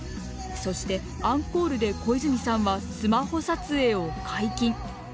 そしてアンコールで小泉さんはスマホ撮影を解禁。